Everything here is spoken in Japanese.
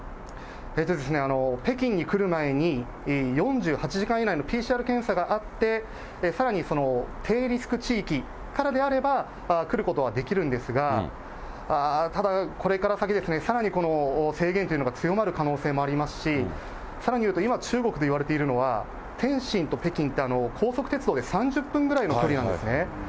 北京に来る前に、４８時間以内のＰＣＲ検査があって、さらにその低リスク地域からであれば、来ることはできるんですが、ただ、これから先ですね、さらに制限というのが強まる可能性もありますし、さらに言うと今、中国でいわれているのは、天津と北京って、高速鉄道で３０分ぐらいの距離なんですね。